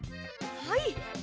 はい。